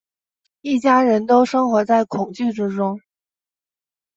一家人都生活在恐惧之中